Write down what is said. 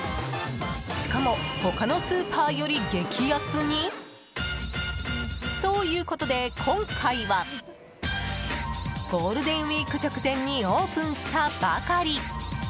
しかも他のスーパーより激安に？ということで、今回はゴールデンウィーク直前にオープンしたばかり。